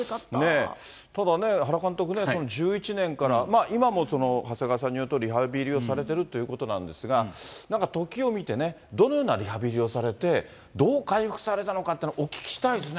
ただ、原監督ね、１１年から、今も長谷川さんによると、リハビリをされているということなんですが、なんか時を見てね、どのようなリハビリをされて、どう回復されたのかっていうのをお聞きしたいですね。